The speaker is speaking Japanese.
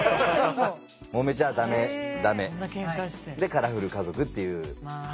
「揉めちゃダメダメ」で「カラフル家族」っていう。